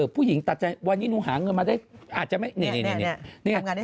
ผู้หญิงเงินหาเงินมาได้อาจจะนี้นี่